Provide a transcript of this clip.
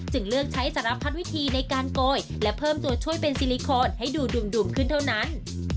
เลือกใช้สารพัดวิธีในการโกยและเพิ่มตัวช่วยเป็นซิลิโคนให้ดูดุ่มขึ้นเท่านั้น